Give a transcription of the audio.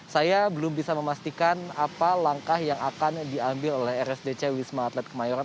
saya belum bisa memastikan apa langkah yang akan diambil oleh rsdc wisma atlet kemayoran